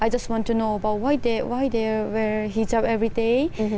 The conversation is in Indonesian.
jadi saya ingin tahu mengapa mereka memakai hijab setiap hari